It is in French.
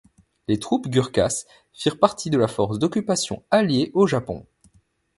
Les troupes Gurkhas firent partie de la force d'occupation alliée au Japon.